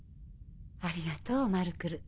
ありがとうマルクル。